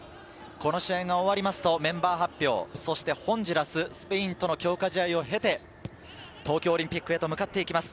この試合が終わりますとメンバー発表、そしてホンジュラス、スペインとの強化試合を経て、東京オリンピックへと向かっていきます。